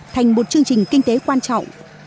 thành một chương trình kinh tế quan trọng